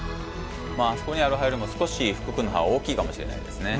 あそこにある歯よりも少し福くんの歯は大きいかもしれないですね。